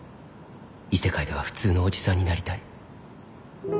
「異世界ではふつうのおじさんになりたい」